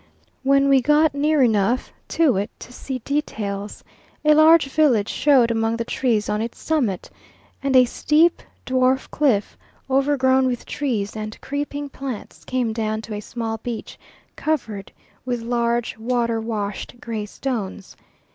When we got near enough to it to see details, a large village showed among the trees on its summit, and a steep dwarf cliff, overgrown with trees and creeping plants came down to a small beach covered with large water washed gray stones.